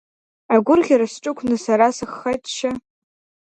Агәырӷьара сҿықәны сара сыхха-чча…